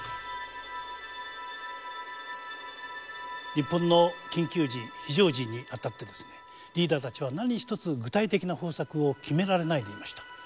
日本の緊急時非常時にあたってリーダーたちは何一つ具体的な方策を決められないでいました。